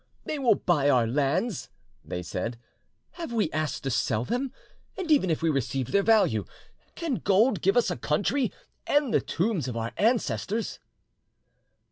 "They will buy our lands," they said; "have we asked to sell them? And even if we received their value, can gold give us a country and the tombs of our ancestors?"